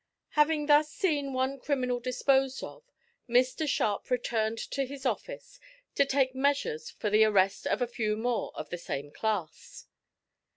Having thus seen one criminal disposed of, Mr Sharp returned to his office to take measures for the arrest of a few more of the same class.